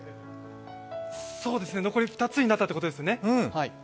そうですね、残り２つになったということですね。